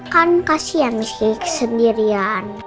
kan kasihan miss kiki kesendirian